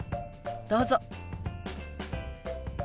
どうぞ。